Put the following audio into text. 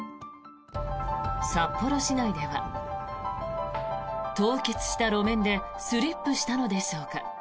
札幌市内では凍結した路面でスリップしたのでしょうか